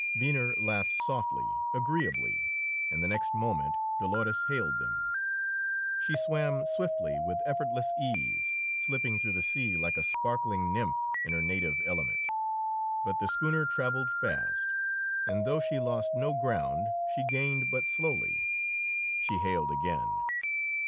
Venner laughed softly, agreeably; and the next moment Dolores hailed them. She swam swiftly, with effortless ease, slipping through the sea like a sparkling nymph in her native element. But the schooner traveled fast, and, though she lost no ground, she gained but slowly. She hailed again.